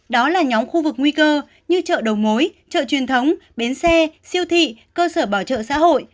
đó là nhóm khu vực nguy cơ như chợ đầu mối chợ truyền thống bến xe siêu thị cơ sở bảo trợ xã hội